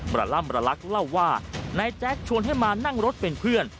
ร่ำระลักษเล่าว่านายแจ๊คชวนให้มานั่งรถเป็นเพื่อน